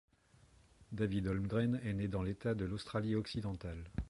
David Holmgren est né dans l'État de l'Australie-Occidentale.